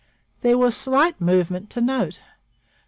There was slight movement to note.